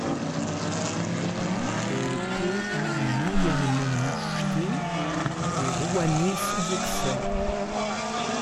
Le blanc est peu ou moyennement mouchetée et rouannée sans excès.